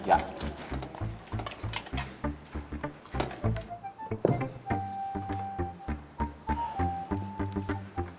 itu gak makan